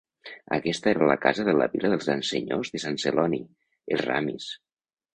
Aquesta era la casa de la vila dels grans senyors de Sant Celoni, els Ramis.